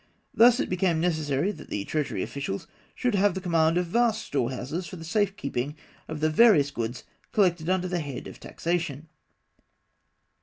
Thus it became necessary that the treasury officials should have the command of vast storehouses for the safe keeping of the various goods collected under the head of taxation.